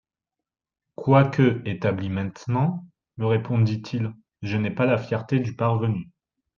«, Quoique établi maintenant, me répondit-il, je n'ai pas la fierté du parvenu.